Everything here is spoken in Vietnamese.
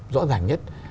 rõ ràng nhất